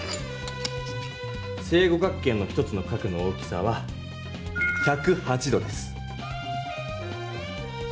正五角形の１つの角の大きさは１０８度です。